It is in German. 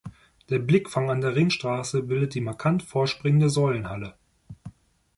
Den Blickfang an der Ringstraße bildet die markant vorspringende Säulenhalle.